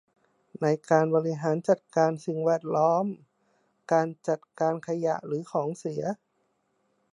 ในการบริหารจัดการสิ่งแวดล้อมการจัดการขยะหรือของเสีย